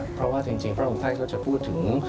เพราะว่าจริงพระองค์ท่านก็จะพูดถึง